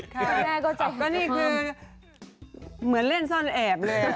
ก็นี่คือเหมือนเล่นซ่อนแอบเลย